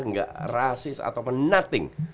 enggak rasis ataupun nothing